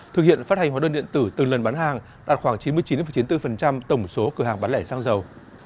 thực hiện phát hành hóa đơn điện tử từng lần bán hàng đạt khoảng chín mươi chín chín mươi bốn tổng số cửa hàng bán lẻ xăng dầu